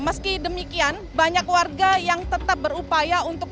meski demikian banyak warga yang tetap berupaya untuk